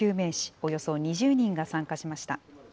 およそ２０人が参加しました。